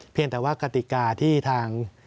เพียงแต่ว่ากติกาที่ทาง